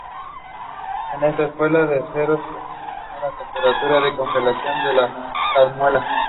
En esta escala, el cero es inicialmente la temperatura de congelación de la salmuera.